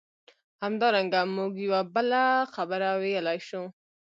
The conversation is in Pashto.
همدارنګه موږ یوه بله خبره ویلای شو.